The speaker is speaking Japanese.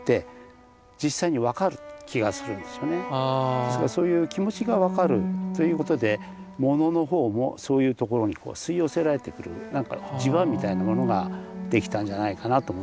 ですからそういう気持ちが分かるということで物の方もそういうところに吸い寄せられてくる何か磁場みたいなものができたんじゃないかなと思うんですよね。